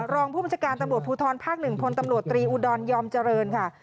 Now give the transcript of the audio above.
รองผู้บัญชาการตำรวจภูทรภาค๑พลตำรวจตรีอุดรยอมเจริญค่ะ